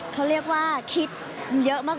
เขาเรียกว่าคิดเยอะมาก